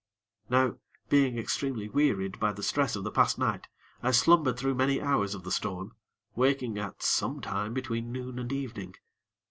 Now, being extremely wearied by the stress of the past night, I slumbered through many hours of the storm, waking at some time between noon and evening.